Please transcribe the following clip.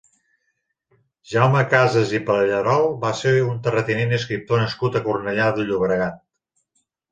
Jaume Casas i Pallerol va ser un terratinent i escriptor nascut a Cornellà de Llobregat.